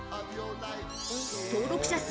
登録者数